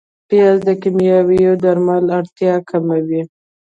پیاز د کیمیاوي درملو اړتیا کموي